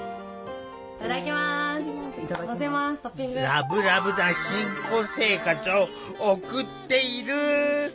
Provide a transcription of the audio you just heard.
ラブラブな新婚生活を送っている！